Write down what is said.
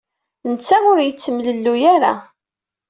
Netta ur yettemlelluy ara.